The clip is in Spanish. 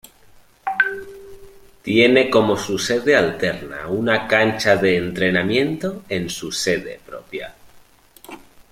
Tiene como su sede alterna una cancha de entrenamiento en su sede propia.